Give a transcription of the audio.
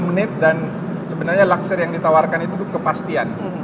tiga puluh menit dan sebenarnya luxer yang ditawarkan itu kepastian